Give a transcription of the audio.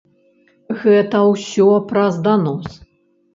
Гэта ўсё праз данос.